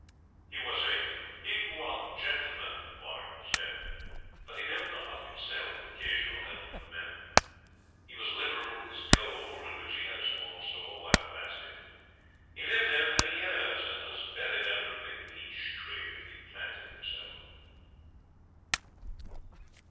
He was "a big one gentleman", Warrigal said; but he built the hut himself, with occasional help from the men. He was liberal with his gold, of which he had a small store, while it lasted. He lived here many years, and was buried under a big peach tree that he had planted himself.'